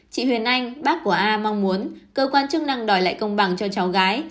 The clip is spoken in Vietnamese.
chị huyền anh bác của a mong muốn cơ quan chức năng đòi lại công bằng cho cháu gái